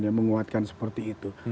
yang menguatkan seperti itu